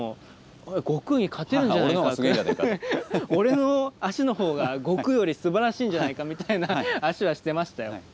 俺の脚の方が悟空よりすばらしいんじゃないかみたいな脚はしてましたよ。